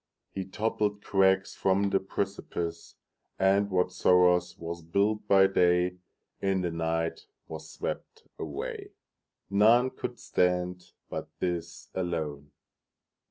He toppled crags from the precipice, And whatsoe'er was built by dayIn the night was swept away:None could stand but this alone.